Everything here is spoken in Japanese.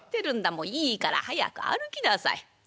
もういいから早く歩きなさい。